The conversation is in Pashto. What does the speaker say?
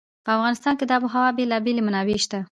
په افغانستان کې د آب وهوا بېلابېلې منابع شته.